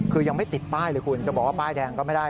คือยังไม่ติดป้ายเลยคุณจะบอกว่าป้ายแดงก็ไม่ได้